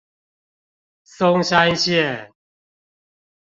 松山線